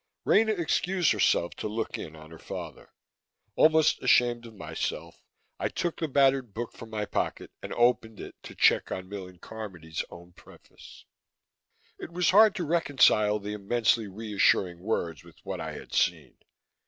Rena excused herself to look in on her father. Almost ashamed of myself, I took the battered book from my pocket and opened it to check on Millen Carmody's own preface. It was hard to reconcile the immensely reassuring words with what I had seen.